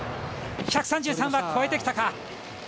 １３３は越えてきたか。